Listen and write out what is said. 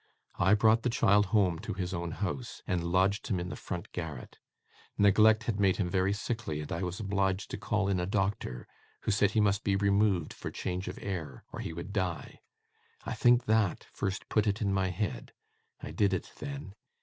I brought the child home to his own house, and lodged him in the front garret. Neglect had made him very sickly, and I was obliged to call in a doctor, who said he must be removed for change of air, or he would die. I think that first put it in my head. I did it then.